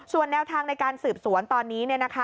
ส่วนแนวทางในการสืบสวนตอนนี้